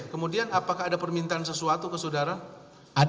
kemudian apakah ada permintaan sesuatu ke saudara